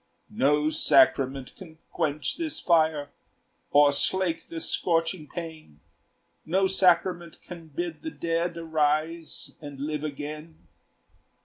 "No sacrament can quench this fire, Or slake this scorching pain; No sacrament can bid the dead Arise and live again.